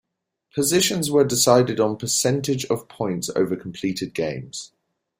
Positions were decided on percentage of points over completed games.